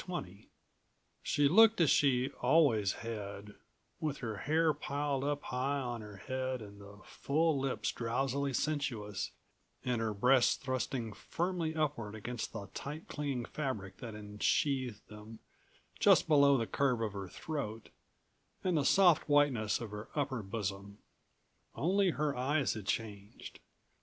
20 She looked as she always had, with her hair piled up high on her head and the full lips drowsily sensuous, and her breasts thrusting firmly upward against the tight clinging fabric that ensheathed them just below the curve of her throat, and the soft whiteness of her upper bosom. Only her eyes had changed.